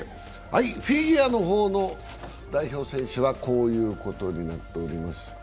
フィギュアの方の代表選手はこういうことになっています。